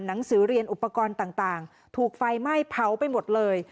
หนังสือเรียนอุปกรณ์ต่างถูกไฟไหม้เผาไปหมดเลย